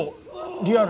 リアル？